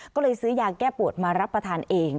ก็เลยซื้อยาแก้ปวดมารับประทานเอง